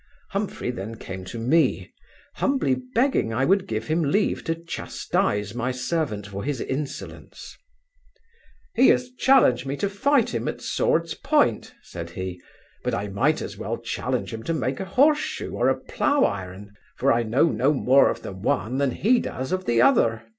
Humphry then came to me, humbly begging I would give him leave to chastise my servant for his insolence 'He has challenged me to fight him at sword's point (said he); but I might as well challenge him to make a horse shoe, or a plough iron; for I know no more of the one than he does of the other.